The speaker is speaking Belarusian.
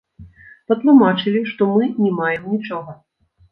Патлумачылі, што мы не маем нічога!